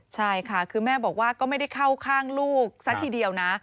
ใช่ค่ะคือแม่บอกว่าก็ไม่ได้เข้าข้างลูกซะทีเดียวนะ